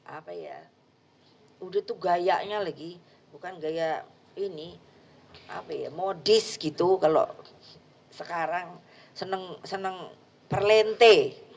apa ya udah tuh gayanya lagi bukan gaya ini apa ya modis gitu kalau sekarang seneng seneng perlente